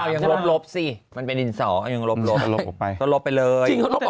๙๘๓ยังลบมันเป็นดินสอยังลบลบไปเลย